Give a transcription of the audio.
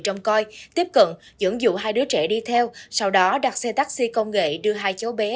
trong coi tiếp cận dẫn dụ hai đứa trẻ đi theo sau đó đặt xe taxi công nghệ đưa hai cháu bé